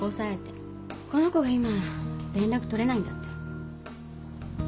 この子が今連絡取れないんだって。